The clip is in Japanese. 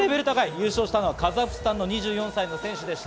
優勝したのはカザフスタンの２４歳の選手でした。